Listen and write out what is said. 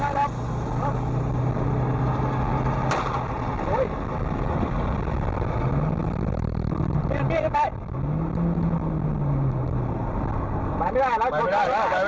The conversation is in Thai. หน้าขาดด้านเข้ากลุ่มแล้วคิดว่าค่อยอย่างไรอยากมีอนาฬิกา